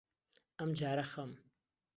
ئەمجارە خەم